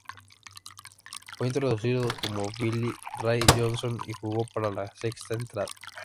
Fue introducido como "Billy Ray Johnson," y jugó para la sexta entrada.